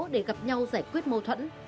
để gặp nhau giải quyết mâu thuẫn